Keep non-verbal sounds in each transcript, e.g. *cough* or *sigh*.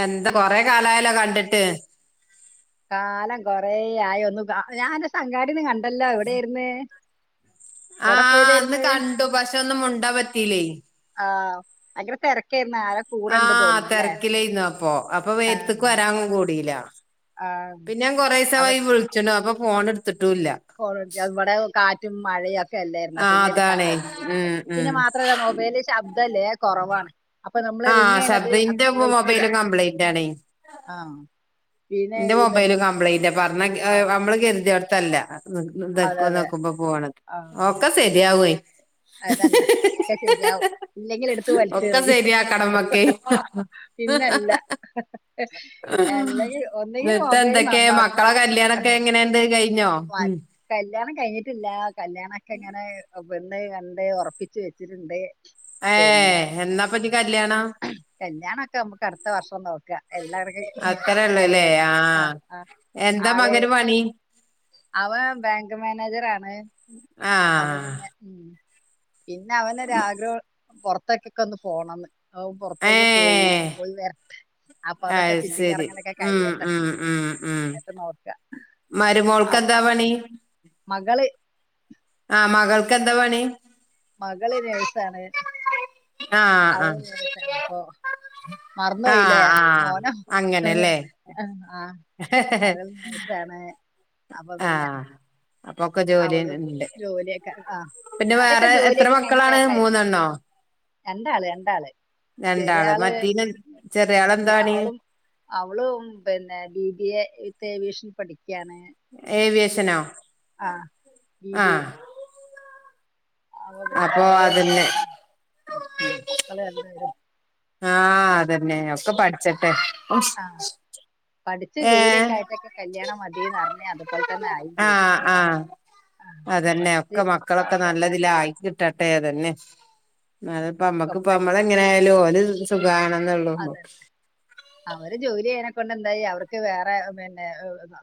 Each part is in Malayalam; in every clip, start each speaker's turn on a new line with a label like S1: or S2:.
S1: എന്താ കൊറെ കാലായാലോ കണ്ടിട്ട്
S2: കാലം കൊറ ആയി ഒന്ന് ഞാൻ സംങ്കാടിന്ന് കണ്ടല്ലോ എവിടെയിര്ന്ന്
S1: ആഹ അന്ന് കണ്ടു പക്ഷെ ഒന്നും മുണ്ടാൻ പറ്റില്ലേ
S2: ആ ഭയങ്കര തിരക്കായിന്ന് ആരെ
S1: ആ
S2: കൂടെണ്ട് തോന്നണല്ലേ
S1: തിരക്കിലായിരുന്നു അപ്പൊ അപ്പൊ
S2: ആഹ
S1: വേരത്തേക്ക് വരാൻ കൂടിയില്ല പിന്നെ ഞാൻ കുറെേ ദിവസമായി വിളിച്ചണു അപ്പൊ ഫോണടു
S2: കോൾടെക്കാൻ ഇവിടെ കാറ്റും മഴയൊക്കെ ല്ലായിരുന്ന
S1: ആ
S2: പിന്നെ എടുക്കാൻ
S1: അതാണേ
S2: കരുഞ്ഞിട്ടില്ല.
S1: ഉം ഉം
S2: പിന്നെ മാത്രല്ല മൊബൈല് ശബ്ദംല്ലേ കുറവാണ്. അപ്പൊ നമ്മൾ
S1: ആ
S2: റിങ് ചെയ്യണത് അത്
S1: സബ്ദിന്റെ
S2: കേൾക്കൂല
S1: മൊബൈല് കംപ്ലൈൻന്റ് ആണ്.
S2: ആ പിന്നെ
S1: എന്റെ
S2: ഈ
S1: മൊബൈല്
S2: പിന്നെ
S1: കംപ്ലൈയിന്റ് പറഞ്ഞ
S2: ആ
S1: നമ്മള് കരുതി എട്ത്തല്ല.
S2: അതെ അതെ
S1: നക്കുമ്പോക്കുമ്പോ പോണയ്
S2: ആ
S1: ഒക്കെ ശെരിയാവയ്
S2: അതന്നെ ഒക്കെ ശെരിയാവും ഇല്ലെങ്കിൽ എടുത്ത് വലിച്ചറിയും.
S1: കടമക്കെ
S2: അല്ലെങ്കിൽ ഒന്നെങ്കിൽ
S1: നിട്ട
S2: മൊബൈൽ
S1: എന്തൊക്കെയെ
S2: നന്നാക്കുക
S1: മക്കളെ കല്യാണൊക്കെ എങ്ങനെയണ്ട് കഴിഞ്ഞോ
S2: ആ,
S1: ഉം
S2: കല്യാണം കഴിഞ്ഞിട്ടില്ല കല്യാണൊക്കെ.
S1: ഏ എന്നാപ്പൊനി കല്യാണം.
S2: കല്യാണമൊക്കെ നമുക്ക് അടുത്ത വർഷം നോക്ക എല്ലാവർക്കും ഇനി
S1: അത്രേ ഉള്ളൂല്ലേ
S2: കഴിയാട്ടെ ആ
S1: ആഹ്
S2: ആ
S1: എന്താ മകന് പണി.
S2: അവന് ബാങ്ക് മാനേജർ ആണ് അപ്പൊ
S1: ആഹ്
S2: പിന്നെ പിന്നെ അവനൊരു ആഗ്രഹം പുറത്തൊക്കൊക്കെ ഒന്ന് പോണന്ന്. അവ പുറത്തേക്ക് പോയി. പോയി വരട്ടെ
S1: അയ് സെരി ഉം ഉം ഉം ഉം
S2: എന്നിട്ട് നോക്കാം
S1: മരുമോൾക്കന്താ പണി.
S2: മക
S1: ആ മകൾക്ക് എന്താ
S2: മകള് നേഴ്സാണ്
S1: ആഹ്
S2: അവള്
S1: ആഹ്
S2: നേഴ്സാണ് മറന്ന് പോയില്ലേ
S1: ആഹ് ആഹ്
S2: മോനോ ആഹ
S1: ഹ് ഹ്
S2: അപ്പൊ പിന്നെ
S1: ജോലി
S2: അവള്
S1: ഉണ്ട്
S2: ജോലിയൊക്കെ ആഹ
S1: പിന്നെ
S2: അതൊക്കെ
S1: വേറെ എത്ര
S2: ജോലിയൊക്കെ കഴിഞ്ഞിട്ട്
S1: മക്കളാണ്
S2: ആക്കരുന്നു
S1: മൂന്നെണ്ണോ
S2: രണ്ടാള് രണ്ടാള്
S1: രണ്ടാള്
S2: ചെറിയാള്
S1: മറ്റീന് ചെറിയാളെന്താണ്
S2: അവളും അവളും പിന്നെ B B A with aviation പഠിക്കയാണ്.
S1: ഏവിയേഷനോ?
S2: ആഹ് ബി ബിഎ
S1: ആഹ്
S2: അപ്പൊ പിന്നെ അവള് മക്കള് രണ്ട് പേരും
S1: ആഹ അതെന്നെ ഒക്കെ പഠിച്ചട്ടെ
S2: ആ പഠിച്ച്
S1: ഏഹ്
S2: ജോലിയൊക്കെ ആയിട്ടൊക്കെ കല്യാണം മതീന്ന്റഞ്ഞ് അതുപോലെ തന്നെ ആയിയും ചെയ്ത്.
S1: ആഹ് ആഹ് അതന്നെ
S2: പഠിച്ച്
S1: ഒക്കെ
S2: അവ
S1: മക്കളൊക്കെ
S2: സ്വന്തം
S1: നല്ലതിലായി കിട്ടട്ടെ അതന്നെ ന്നാലുംപ്പോന്നമക്ക് ഇപ്പ നമ്മള്എങ്ങനൊയാലും ഓല് സുഖാണം.
S2: അതന്നെ അവര് ജോലി ചെയന ലിയാണ്ട്ന്തായി അവർക്ക് വേറെ പിന്നെ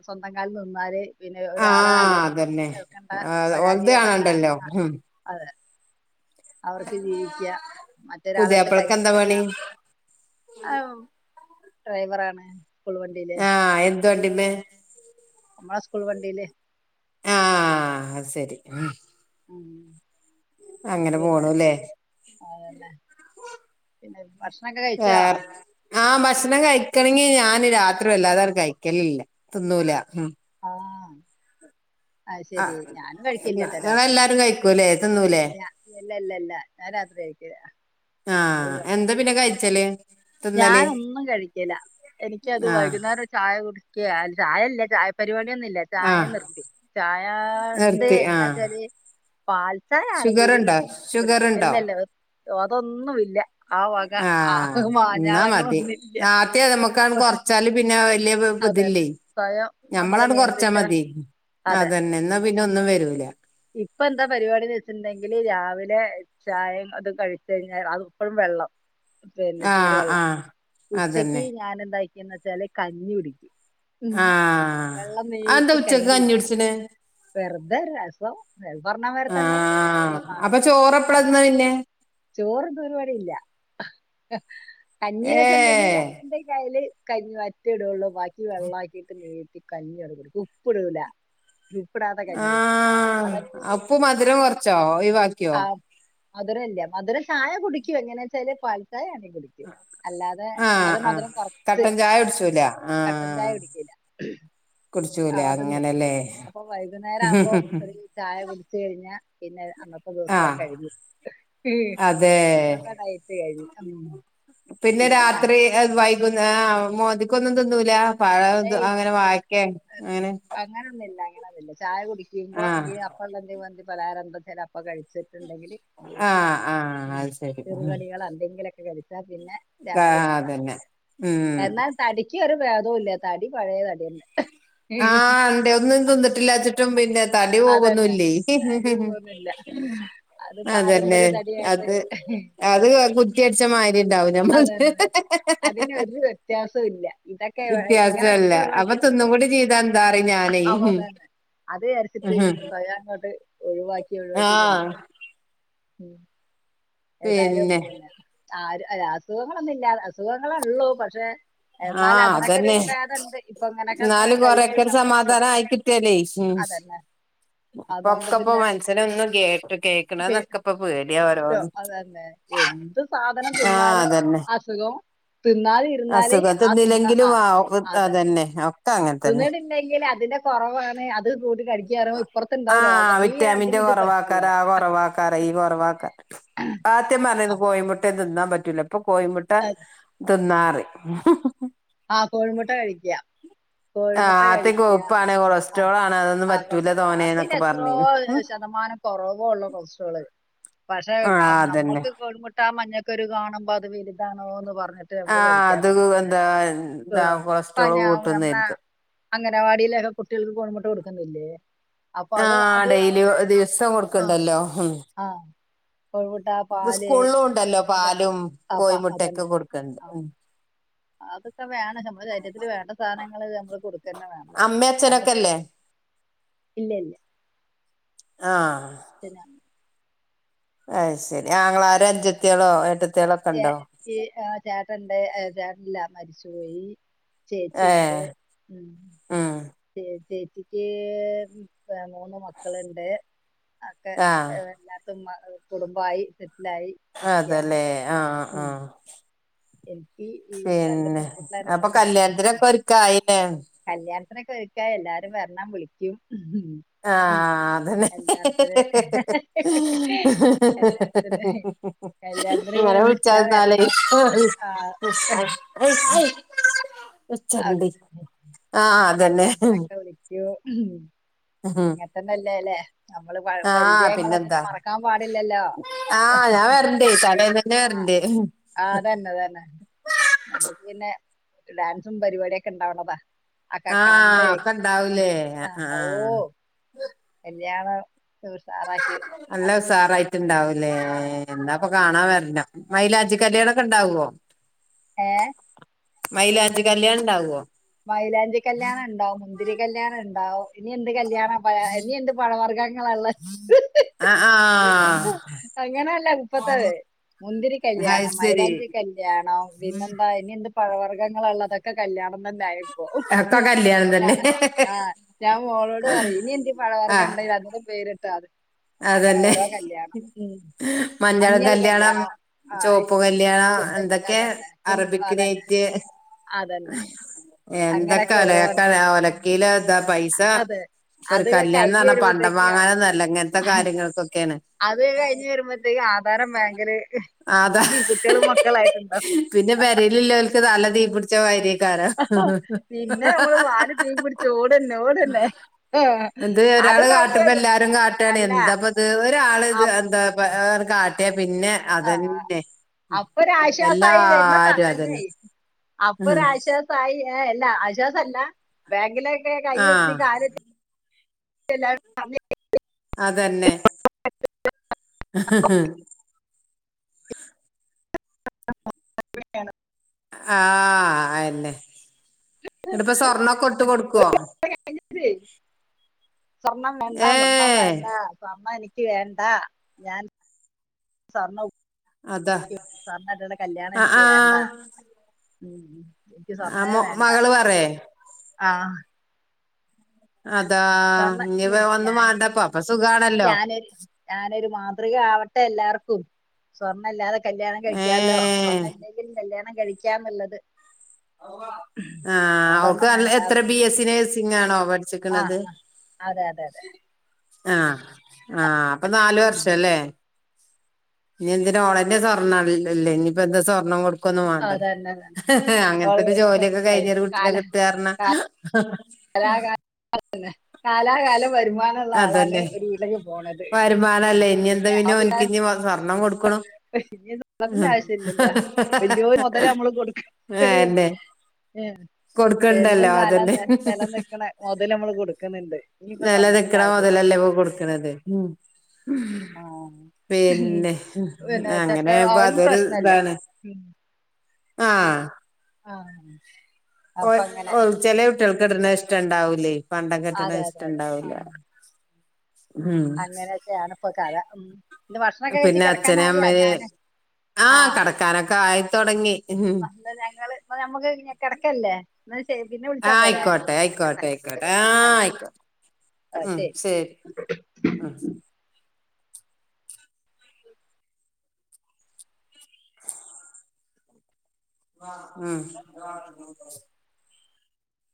S2: സ്വന്തംകാലം നിന്നാല് പിന്നെ ഒരാള്
S1: ആഹ്
S2: അല്ലലും
S1: അതന്നെ
S2: കേൾക്കേണ്ട
S1: ആഹ്
S2: പരാതി
S1: ഓൽത്
S2: വേണ്ട
S1: കാണണ്ടല്ലോ
S2: ആ
S1: ഉം
S2: അതെ, അവർക്ക് ജീവിക്ക മറ്റൊരാളടുത്ത്
S1: പുതിയാപ്പളക്കെന്താ
S2: കൈനീട്ടണ്ട.
S1: പണി
S2: ആ ഡ്രൈവറാണ് സ്കൂൾവണ്ടിയിലെ
S1: തുവണ്ടിമ്മേ
S2: നമ്മടെ സ്കൂൾ വണ്ടില്.
S1: ആഹ സെരി അ
S2: അം..
S1: അങ്ങനെ പോണു ല്ലേ
S2: അതന്നെ, പിന്നെ ഭക്ഷണക്കെ കഴിച്ചാ?
S1: വേറെ ആ ഭക്ഷണം കഴിക്കണങ്കി ഞാന് രാത്രി വല്ലാതൻട് കഴിക്കലില്ല, തിന്നൂല.
S2: ആഹ്
S1: ആ
S2: ആഹ്ശെരി ഞാനും കഴിക്കില്ലട്ടോ രാത്രി
S1: ഇങ്ങളെല്ലാരും കഴിക്കൂലേ തിന്നൂലേ
S2: ല്ലല്ലല്ല. ല്ല ഞാൻ രാത്രി കഴിക്കൂല.
S1: ആഹ്, എന്താ പിന്നെ കഴിച്ചല് തിന്നല്
S2: ഞാന് ഒന്നും കഴിക്കല, എനിക്യത്
S1: ആഹ്
S2: വൈകുന്നേരരുചായ കുടിച്ച് ക്ക ചായല്ല ചായപരിപാടി ന്നില്ല ചായ
S1: ആഹ്
S2: നിർത്തി. ചായാ ണ്ട്
S1: നിർത്തി ആഹ്
S2: എങ്ങനെച്ചാല്. പാൽച്ചായ ആണെങ്കില്
S1: ഷുഗറുണ്ടോ
S2: പിടിക്കും.
S1: ഷുഗറുണ്ടോ
S2: എല്ലല്ല അതൊന്നുല്ല.
S1: ആഹ ൻ ന്നാ മതി.
S2: മാഞ്ഞാളങ്ങളൊന്നുമില്ല
S1: ന്നാദ്യംനമുക്കണ്ട് കൊർച്ചാല് പിന്നെ
S2: അതന്നെ
S1: വല്യതില്ലേ
S2: സ്വയം
S1: നമ്മള
S2: നമ്മളെ
S1: ന്നു കൊർച്ചാ
S2: നിയന്ത്രിച്ച
S1: മതി.
S2: അതെ
S1: അതന്നെ, ന്നാ പിന്നൊന്നും വരൂല.
S2: ഇപ്പൊ എന്താ പരിപാടിന്ന് വെച്ചിട്ട്ണ്ടെങ്കിൽ രാവിലെ ചായും അത് കഴിച്ച കഴിഞ്ഞാൽ അതപ്പഴും വെള്ളം പിന്നെ ചൂട്
S1: ആഹ്
S2: വെള്ളം
S1: ആഹ്
S2: ഉച്ചക്ക്
S1: അതന്നെ
S2: ഞാനെന്താ ന്ന് വെച്ചാല് കഞ്ഞി കുടിക്കും. ഉം
S1: ആഹ്
S2: വെള്ളം
S1: അതെന്താ
S2: നീട്ടി
S1: ഉച്ചക്ക്
S2: കഞ്ഞി പിടിക്കും
S1: കുടിച്ച്ണ്
S2: വെർതെരുരസ് ങ്ങളി പറഞ്ഞമാരി തന്നെ
S1: ആഹ്
S2: ഈമാ
S1: അപ്പൊ ചോറെപ്പളാ
S2: അമ്മ
S1: തിന്നാ പിന്നെ
S2: ചോറ്തിന്ന ഒരുപാരിപാടില്ല കഞ്ഞീന്ന് വച്ചണ്ടെങ്കിൽ
S1: ഏഹ്
S2: രണ്ട് കയ്ല് കഞ്ഞ വറ്റ്ടുള്ളൂ ബാക്കി വെള്ളാക്കിട്ട് നീട്ടി കഞ്യൻട് കുടിക്കും. ഉപ്പ്ടൂല.
S1: ആഹ അപ്പോ മധുരം കൊർച്ചോ ഒഴിവാക്കിയോ?
S2: മധുരല്ല മധുരം ചായ കുടിക്കും എങ്ങനെച്ചാല് പാൽ ൽചായ ആണെങ്കി കുടിക്കും അല്ലാതെ
S1: ആഹ്
S2: അത്
S1: ആഹ്
S2: മധുരം കൊറച്ച്,
S1: കട്ടൻ ചായ കുടിച്ചൂല
S2: കട്ടൻ ചായ
S1: ആഹ്
S2: കുടിക്കൂല. ഹ്മ്..
S1: കുടിച്ചൂല
S2: ആ അത് നിർത്തി
S1: അങ്ങനെല്ലേ
S2: അപ്പൊ വൈകുന്നേരാവുമ്പോ ഒരു ചായ കുടി ച്ച്കഴിഞ്ഞ പിന്നെ അന്നത്തെ ദിവസംകഴിഞ്ഞു.
S1: അതേ....
S2: ഉം.
S1: പിന്നെ രാത്രി വൈകുന്നേ ആഹ മോന്തിക്കൊന്നും തിന്നൂലാ. പഴോ
S2: രാവിലെ
S1: അങ്ങനെ വായക്കേ അങ്ങനെ
S2: അതല്ല ചായ കുടിക്കുമ്പോ
S1: ആഹ്
S2: ന്തേലും അപ്പള്ള എന്തെ വന്തി പലഹാരം ന്തെച്ചാൽ അപ്പോ കഴിച്ചിട്ടുണ്ടെങ്കില് ന്തേ..
S1: ആഹ് ആഹ് അത് ശരി ഉം
S2: ചെറുകടികള ന്തെങ്കിലൊക്കെ കഴി പിന്നെ,
S1: ആ
S2: രാത്രി വേണ്ട
S1: അതന്നെ ഉം
S2: എന്നാൽ തടിക്കൊരു ഭേദവും ഇല്ലാ, തടി പഴേ തട്യന്നെ
S1: ആഹ ണ്ട് ഒന്നും തിന്നിട്ടില്ലാച്ചിട്ടും പിന്നെ തടി
S2: അതന്നെ
S1: പോകൊന്നുല്ലേയ്
S2: തടി പോകുന്നില്ല അത്
S1: അതന്നെ,
S2: പാരമ്പര്യ തടിയായിട്ട്
S1: അത് അത് കുറ്റ്യട്ച്ച മാരി ഉണ്ടാവും.
S2: അതന്നെ അതിന് ഒരു വ്യത്യാസവും ഇല്ല ഇതൊക്കെ
S1: വ്യത്യാസല്ല
S2: ഇങ്ങനൊക്കെ
S1: അപ്പൊ
S2: ഒഴിവാക്കിയിട്ട്
S1: തിന്നും
S2: ഉം,
S1: കൂടി ചെയ് ഇതെന്താറി ഞാനെയ്
S2: അവ
S1: ഉഹും
S2: അതന്നെ അത് വിചാരിച്ചിട്ട്
S1: ഉഹും
S2: സ്വയം അങ്ങോട്ട് ഒഴിവാക്കി ഒഴിവാക്കി കൊണ്ടര ഉം ഏതായാലും ഒ പിന്നെ ആ അല്ലാ അസുഖങ്ങളൊന്നും ഇല്ലാത, അസുഖങ്ങളെള്ളൂ പക്ഷെ
S1: ആ
S2: എന്നാൽ അതിനൊക്കെ ഒരു
S1: അതന്നെ
S2: ഭേദണ്ട് ഇപ്പൊ ഇങ്ങനൊക്കെ
S1: എന്നാലും
S2: കഴിച്ചച്ച്
S1: കൊറെയൊക്കെ ഒരു
S2: നട്ടു
S1: സമാധാനം
S2: അതന്നെ, അതുകൊണ്ട്
S1: പ്പൊക്കൊപ്പോ
S2: പിന്നെ
S1: മൻസ്സന് ഒന്നും കേട്ട്
S2: പേ-
S1: കേൾക്കണതൊക്കെപ്പോപേട്യ ഓരോ
S2: അതന്നെ, എന്ത് സാധനം
S1: ആ
S2: തിന്നാലും അസുഖം തിന്നാതിരുന്നാല്
S1: അസുഖം
S2: ആ തിന്ന
S1: തിന്നില്ലെങ്കിലും ആ ഒക്
S2: അതെ
S1: അതന്നെ അങ്ങനെ
S2: തിന്നിട്ടില്ലെങ്കിൽ അതിന്റെ കൊറവാണ്.
S1: ആഹ
S2: ഈ
S1: വിറ്റാമിന്റെ
S2: അതിന് ഇത് പറ്റില്ല
S1: കൊറവാക്കാരം ആ കൊറവാക്കാരം ഈ കൊറവാക്കാരം ആത്ത്യം പറഞ്ഞിന്ന്
S2: അപ്പ-
S1: കോഴിയിമുട്ടിം തിന്നാം പറ്റുല്ല, ഇപ്പൊ കോഴിമുട്ട
S2: അതെ.
S1: തിന്നാറിം
S2: ആ കോഴിമുട്ട കഴിക്ക്യ.
S1: ആഹ്
S2: കോഴിമുട്ട
S1: ആദ്യം
S2: കഴിക്ക്യ
S1: കൊഴുപ്പാണ്
S2: ആ
S1: കൊളസ്ട്രോൾ ആണ് അതൊന്നും
S2: ആ
S1: പറ്റൂല
S2: കോളസ്റ്റ് റോൾ അതിന്
S1: തോനെന്നൊക്കെ
S2: എത്രോ
S1: പറഞ്ഞീന്നു
S2: ശതമാനം അങ്ങനെ കൊറവുള്ള കൊളസ്റ്ററോള് പക്ഷെ
S1: ആഹ് അതന്നെ
S2: നമ്മൾക്ക് കൊഴിമുട്ട ആ മഞ്ഞക്കൊരു കാണുമ്പോ അത് വലുതാണോന്ന് പറഞ്ഞു.
S1: ആന് അത് എന്താ എന്താ
S2: ഏഹ് ഇപ്പൊ
S1: കൊളസ്ട്രോള്
S2: ഞാ നമ്മളെ
S1: കൂട്ടുന്നര്തും.
S2: അംഗനവാടിയിലൊക്കെ കുട്ടികൾക്ക് കോഴിമുട്ട കൊടുക്കുന്നില്ലേ? അപ്പൊ
S1: ആ
S2: അത് അത്
S1: ഡെയിലി ദിവസം
S2: ആഹ്
S1: കൊടുക്കണ്ടല്ലോ.
S2: ആഹ് കോഴിമുട്ട പാല്
S1: സ്കൂളിലും ഉണ്ടല്ലോ
S2: പിന്നെ
S1: പാലും
S2: ആ
S1: കോഴിമുട്ടയൊക്കെ
S2: അതന്നെ
S1: കൊടുക്കണ്ട്
S2: ആ
S1: ഉം
S2: അതൊക്കെ വേണം നമ്മള് ശരീരത്തില് വേണ്ട സാധനങ്ങള് നമ്മള് കൊടുക്കന്നെ വേണം. നമ്മക്ക്
S1: അമ്മഅച്ഛനൊക്കെല്ലേ
S2: ഇല്ല ഇല്ല.
S1: ആഹ്
S2: ചനാണ്.
S1: അയ്ശരി. ആങ്ങളാരോ അഞ്ചെത്തിയാളോ ഏട്ടത്തി
S2: ചേ ചേട്ടണ്ട് ചേട്ടനല്ല മരിച്ചുപോയി. ചേച്ചിയുണ്ട്.
S1: ഏഹ് ഉം
S2: ചേ ചേച്ചിക്ക് പ്പൊമൂന്ന് മക്കളുണ്ട്. ഒക്കെ
S1: ആഹ്
S2: എല്ലാത്തും കുടുംബായി.
S1: അതല്ലേ ആഹ് ആഹ്
S2: ഉം ഈ രണ്ട്
S1: പിന്നെ
S2: പെൺകുട്ടികളെ
S1: അപ്പൊ
S2: കൊണ്ട്
S1: കല്യാണത്തിനൊക്കെ ഒരിക്കായില്ലേ.
S2: അനകൊരുക്കാൻ എല്ലാരും വരെണം വിളിക്കും.
S1: ആ
S2: ഉം
S1: അതന്നെ
S2: കല്യാണത്തിന് കല്യാണത്തിന് കല്യാണത്തിന്
S1: ഇങ്ങനെ
S2: വിളിച്ചാ
S1: വിളിച്ചാന്നാലേ
S2: വരണം ആ
S1: ഉച്ചണ്ടി ആഹ്, അതന്നെ.
S2: ഉം അങ്ങൻതന്നെല്ലേ ല്ലേ
S1: ആഹ് പിന്നെന്താ,
S2: പാടില്ലല്ലോ
S1: ആഹ് ഞാൻ വെര്ണ്ട് തലേന്നന്നെ വര്ണ്ട് ന്തേലും
S2: ആഹ് തെന്നെ, തെന്നെ, പിന്നെ ഡാൻസും, പരിപാടിയൊക്കെ ഇണ്ടാവ്ണതാ.
S1: ആഹ്
S2: ആകണ്ടാക്തെ
S1: ഒക്കെ ഇണ്ടാവൂലേ
S2: ആ ഓ..
S1: ആഹ്
S2: കല്യാണം ഉഷാറാക്കി
S1: നല്ല
S2: നടത്തും
S1: ഉസാറായിട്ടുണ്ടാവൂലേ..
S2: ആ
S1: എന്നാ പ്പൊ കാണാൻ വെര്നം. മൈലാഞ്ചി കല്യാണൊക്കെ ഉണ്ടാവോ?
S2: ഏ
S1: മൈലാഞ്ചി കല്യാണം ഉണ്ടാവോ?
S2: മൈലാഞ്ചി കല്യാണണ്ടാവും മുന്തിരി. കല്യാണണ്ടാവും ഇനി എന്ത് കല്യാണം ആ പ ഇനി എന്ത് പഴവർഗ്ഗങ്ങളാ ള്ളത് എ
S1: ആഹ് ആഹ്
S2: അങ്ങനെല്ലെ ഇപ്പത്തത് മുന്തിരി
S1: അത്
S2: കല്ല്യാണം,
S1: ശരി
S2: മൈലാഞ്ചി കല്യാണം, പിന്നെന്താ ഇനി എന്ത് പഴവർഗ്ഗങ്ങളല്ല ഇതൊക്കെ കല്യാണം തന്നെ ആായിരിക്കും.
S1: ഒക്ക കല്യാണം തന്നെ
S2: ആഹ് ഞാൻ മോളോട് പറയും ഇനി എന്ത് പഴവർഗം
S1: ആഹ്
S2: ഇണ്ടെങ്കിൽ അതിന്റെ പേര്
S1: അതന്നെ
S2: ഉം
S1: മഞ്ഞളും
S2: മഞ്ഞൾ
S1: കല്യാണം
S2: ആ
S1: ചേപ്പ് കല്യാണം എന്തൊക്കെ
S2: അതന്നെ അതന്നെ
S1: അറബിക്നൈറ്റ്
S2: അതന്നെ
S1: എന്തൊക്കെ
S2: അങ്ങനൊക്കെ
S1: അലാക്കാ
S2: ഓരോന്നുണ്ട്
S1: ഒലക്കീലെ താ പൈസ
S2: അതെ
S1: ഇപ്പൊ ഒരു
S2: അത്
S1: കല്യാണം
S2: കഴിഞ്ഞ്
S1: ന്നർഞ്ഞാൽ പണ്ടം
S2: വരുമ്പോഴത്തേക്ക്
S1: വങ്ങാനെന്നല്ല അങ്ങനത്തെ കാര്യങ്ങൾക്കൊക്കെ.
S2: അത് കഴിഞ്ഞ് വരുമ്പോഴ്ത്തേക്ക് ആധാരം ബാങ്കില്
S1: അതാ
S2: കുട്ടിയെളും മക്കളായിട്ടുണ്ടാവും
S1: പിന്നെ പെരേലില്ലോൽക്ക് തല തീ പിടിച്ച മായിരിയേക്കാരം
S2: പിന്നെ നമ്മള് വാലും തീ പിടിച്ച് ഓടെന്നെ, ഓടെന്നെ, ആ
S1: ഇത്
S2: അത്
S1: ഒരാള് കാട്ടുമ്പോ
S2: കഴിഞ്ഞെരും
S1: എല്ലാരും കാട്ടാണ്
S2: അല്ലാ
S1: എന്താപ്പ ഇത് ഒരാള് ഇത് എന്താ പാ.. കാട്ടിയാ പിന്നെ. അതെന്നെ.
S2: അപ്പൊ ഒരു
S1: എല്ലാരും അതന്നെ.
S2: അപ്പൊരു
S1: ഉം
S2: ആശ്വാസായി ഏ എല്ലാ വിശ്വാസല്ല ബാങ്കിലൊക്കെ കയെത്തി
S1: ആഹ്
S2: കാലെത്തി
S1: അതന്നെ. ഹ് ഹ്
S2: *inaudible*
S1: ആ അയ്ന്നെ ഇന്നിട്ടിപ്പോ സ്വർണൊക്കെ ഒട്ട് കൊടുക്കേ?
S2: സ്വർണം വേണ്ടാ സ്വർണം വേണ്ടാ സ്വർണം എനിക്ക് വേണ്ടാ ഞാൻ. സ്വർണവും
S1: അതാ
S2: സ്വർണട്ടിട്ട് കല്യാണം
S1: ആ
S2: എനിക്ക്
S1: ആ
S2: വേണ്ടാ..
S1: ആ.. മേ മകള് പറയെ?
S2: ആഹ്
S1: അതാ ഇനിപ്പ
S2: സ്വർണം
S1: ഒന്നും
S2: ഞാനിനി
S1: വേണ്ടപ്പ അപ്പൊ സുഖാണല്ലോ
S2: ഞാന് ഞാനൊരു മാതൃക ആവട്ടെ. ആവട്ടെ എല്ലാർക്കും സ്വർണ്ണല്ലാതെ കല്യാണം
S1: ഏ
S2: കഴിക്കാല്ലോ സ്വർണ്ണംല്ലെങ്കിലും കല്യാണം കഴിക്കാന്നുള്ളത്
S1: ആ
S2: സ്വർണം
S1: അവ്ക്ക് എത്ര
S2: വേണ്ടാന്ന്
S1: ബി. എസ്സി. നേഴ്സിംഗ് ആണോ? പഠി
S2: ആ
S1: പഠിച്ച്ക്ക്ണത്
S2: അതെ അതെ അതെ
S1: ആഹ് ആ അപ്പൊ നാലു
S2: ഉം.
S1: വർഷല്ലേ.. ഇനി എന്തിനാ ഓളനെ സ്വർണ്ണലല്ലേ ഇനിയിപ്പ എന്തിനാ സ്വർണ്ണം കൊടുക്ണ് കെന്നും വേണ്ടല്ലോ
S2: അതന്നെ അതന്നെ.
S1: ഹ് ഹ് അങ്ങൻത്തെ
S2: അവള്
S1: ഒരു ജോലിയൊക്കെ
S2: ഏയ്
S1: കഴിഞ്ഞെരു കുട്ടിനെ കിട്ടാന്ന്റഞ്ഞാ.
S2: കലാ കാലം അതന്നെ കാലാകാലം വരുമാനള്ള ആളാണ് ഒരു വീട്ടിലേക്ക് പോണത് ഏ,
S1: ആണല്ലേ ഇനി എന്താ പിന്നെ
S2: ആ വീട്
S1: ഓനിക്കിനി സ്വർണം കൊടുക്കുന്നു? ആ
S2: അതിന്റെ ആവശ്യല്ലല്ലോ
S1: ആഹ
S2: വല്യോരു മുതല് നമ്മള് കൊടുക്ക
S1: ആഹ അയെന്നെ കൊടുക്കണ്ടല്ലോ
S2: എന്നും കാലം
S1: അതന്നെ
S2: നിലം നിക്കണ മുതല് നമ്മള് കൊടുക്കുന്നുണ്ട് ഇനിയിപ്പോ സ്വർണത്തിന്റെ
S1: നിലനിക്ക്ണ
S2: ആവശ്യല്ല
S1: മൊതലല്ലേഇപ്പോ കൊടുക്ക്ണത്
S2: ആഹ്
S1: പിന്നെ
S2: പിന്നെ ചക്ക
S1: അങ്ങനാവുമ്പൊ
S2: അവനും
S1: അതൊരു
S2: പ്രശ്നല്ല
S1: ഇതാണ്.
S2: ഉം
S1: ആഹ
S2: ആഹ്
S1: ഒ
S2: അപ്പൊ അങ്ങനെ
S1: ഒ ചെലേ കുട്ടാൾ കേട്ട്ണത് ഇഷ്ടം ഇണ്ടാവലേ പണ്ടം
S2: അതെ
S1: കെട്ടണത് ഇഷ്ട
S2: അതെ അതെ
S1: ഇണ്ടാവൂല.
S2: ആഹ് അങ്ങനെയൊക്കെയാണ് ഇപ്പൊ കഥ ഇന്ന് ഭക്ഷണൊക്കെ കഴിച്ച്
S1: പിന്നെ അച്ഛന
S2: കിടക്കാനായോ
S1: അമ്മന്
S2: ഞാന്
S1: ആഹ
S2: ആഹ്
S1: കടക്കാനൊക്കെ ആയിത്തൊടങ്ങി. ഉം
S2: ഞങ്ങള് ഇ നമ്മക്ക് കിടക്കല്ലേ? ശരി പിന്നെ
S1: ആഹ
S2: വിളിച്ചാ പോരെ
S1: ആയിക്കോട്ടെ
S2: കിടക്കട്ടെ
S1: ആയിക്കോട്ടെ ആയിക്കോട്ടെ
S2: മക്കള്
S1: ആ
S2: കിടക്കാനായി
S1: ആയിക്കോട്ടെ ഉം ശരി ഉം ഉം